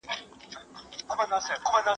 ¬ نور ئې نور، عثمان ته هم غورځېدی.